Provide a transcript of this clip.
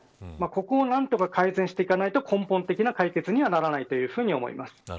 ここを何とか改善していかないと根本的な解決にはならないと思います。